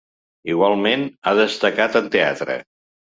Igualment ha destacat en teatre.